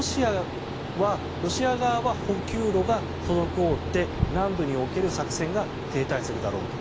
ロシア側は補給路が滞って南部における作戦が停滞するだろうと。